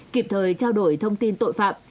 kịp thời trao đổi thông tin tội phạm